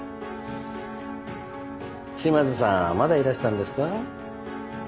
嶋津さんまだいらしたんですか？